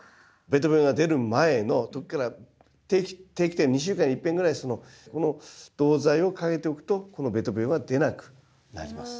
べと病が出る前の時から定期的２週間にいっぺんぐらいこの銅剤をかけておくとこのべと病は出なくなります。